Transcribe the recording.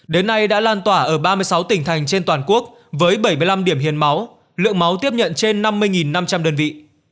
đến nay đã lan tỏa ở ba mươi sáu tỉnh thành trên toàn quốc với bảy mươi năm điểm hiến máu lượng máu tiếp nhận trên năm mươi năm trăm linh đơn vị